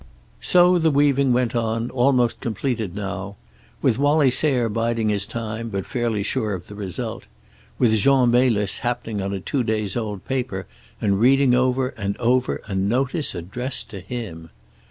So the weaving went on, almost completed now. With Wallie Sayre biding his time, but fairly sure of the result. With Jean Melis happening on a two days' old paper, and reading over and over a notice addressed to him.